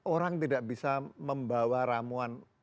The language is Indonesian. orang tidak bisa membawa ramuan